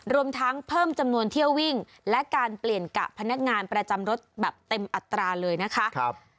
รวมทั้งเพิ่มจำนวนเที่ยววิ่งและการเปลี่ยนกะพนักงานประจำรถแบบเต็มอัตราเลยนะคะ